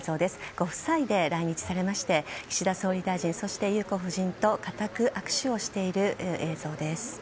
ご夫妻で来日されまして岸田総理大臣、そして裕子夫人と固く握手をしている映像です。